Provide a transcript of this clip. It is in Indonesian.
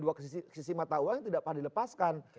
dua sisi mata uang yang tidak pernah dilepaskan